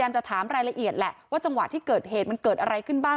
จะถามรายละเอียดแหละว่าจังหวะที่เกิดเหตุมันเกิดอะไรขึ้นบ้าง